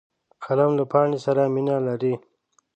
قلم له پاڼې سره مینه لري